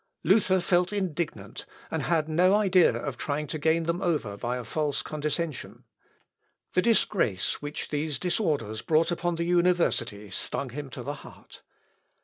Luther felt indignant, and had no idea of trying to gain them over by a false condescension. The disgrace which these disorders brought upon the university stung him to the heart.